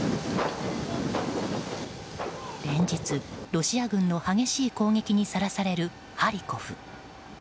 連日、ロシア軍の激しい攻撃にさらされるハリコフ。